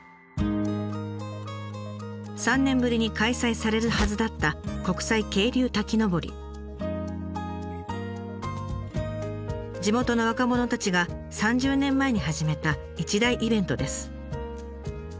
３年ぶりに開催されるはずだった地元の若者たちが３０年前に始めた一大イベントです。